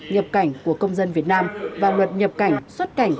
nhập cảnh của công dân việt nam và luật nhập cảnh xuất cảnh